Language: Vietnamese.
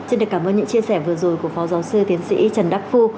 xin được cảm ơn những chia sẻ vừa rồi của phó giáo sư tiến sĩ trần đắc phu